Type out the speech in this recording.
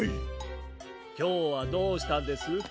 きょうはどうしたんです？